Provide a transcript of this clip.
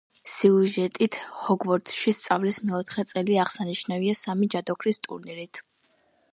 სიუჟეტით, ჰოგვორტსში სწავლის მეოთხე წელი აღსანიშნავია სამი ჯადოქრის ტურნირით.